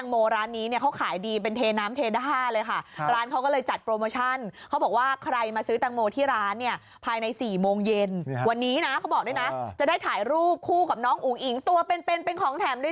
ไม่เคยครับครั้งแรก